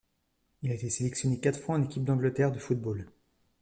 Il a été sélectionné quatre fois en équipe d'Angleterre de football.